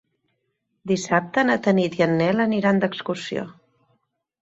Dissabte na Tanit i en Nel aniran d'excursió.